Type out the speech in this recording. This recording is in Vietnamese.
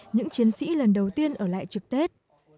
những chiến sĩ lần đầu tiên ở lại trực tết